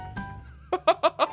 ハハハハハ！